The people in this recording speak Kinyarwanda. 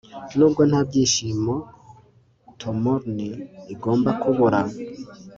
Nubwo nta byishimo tomorn igomba kubura